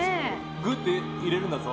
ぐっと入れるんだぞ。